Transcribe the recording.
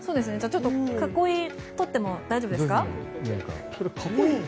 囲いを取っても大丈夫ですか？